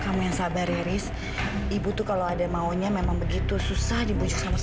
kamu yang sabar ya riz ibu tuh kalau ada maunya memang begitu susah dibunjuk sama semua orang